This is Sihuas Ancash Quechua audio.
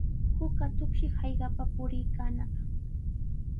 Huk atuqshi hallqapa puriykaanaq.